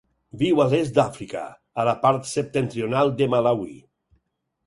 Viu a l'est d'Àfrica, a la part septentrional de Malawi.